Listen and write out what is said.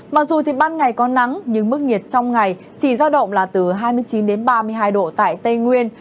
mặc dù thì ban ngày có nắng nhưng mức nhiệt trong ngày chỉ giao động là từ hai mươi chín ba mươi hai độ tại tây nguyên